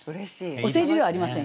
お世辞ではありません。